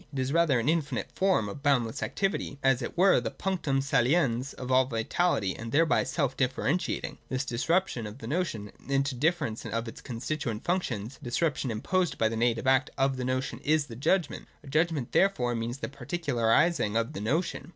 It is rather an infinite form, of boundless activity, as it were the punctuin saliens of all vitality, and thereby self differentiating. This disruption of the notion into the differ ence of its constituent functions, — a disruption imposed by the native act of the notion, is the judgment. A judgment therefore means the particularising of the notion.